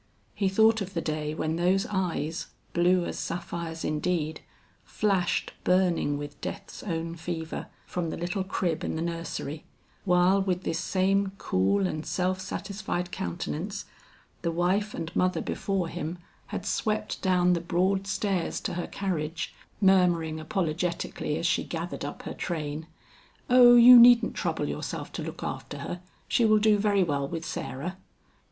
He thought of the day when those eyes, blue as sapphires indeed, flashed burning with death's own fever, from the little crib in the nursery, while with this same cool and self satisfied countenance, the wife and mother before him had swept down the broad stairs to her carriage, murmuring apologetically as she gathered up her train, "O you needn't trouble yourself to look after her, she will do very well with Sarah."